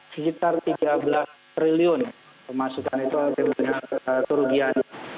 sekitar tiga belas triliun pemasukan itu terlalu banyak kerugian